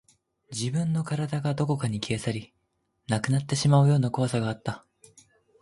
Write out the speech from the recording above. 自分の体がどこかに消え去り、なくなってしまうような怖さがあった